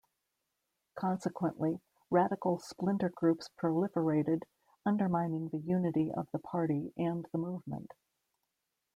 Consequently, radical splinter groups proliferated, undermining the unity of the party and the Movement.